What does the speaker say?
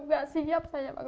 gak siap saya mak